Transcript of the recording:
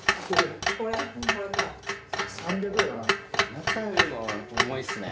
思ったよりも重いっすね。